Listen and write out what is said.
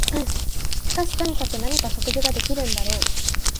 しかしとにかく何か食事ができるんだろう